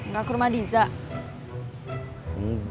hai enggak ke rumah diza enggak